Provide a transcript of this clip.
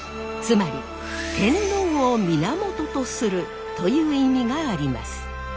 つまり天皇を源とするという意味があります。